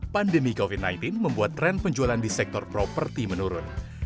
pandemi covid sembilan belas membuat tren penjualan di sektor properti menurun